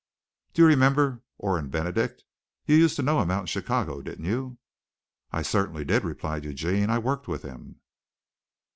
"Do you remember Oren Benedict you used to know him out in Chicago, didn't you?" "I certainly did," replied Eugene. "I worked with him."